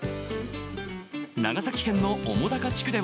長崎県の面高地区では